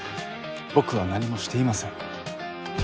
僕は何もしていません。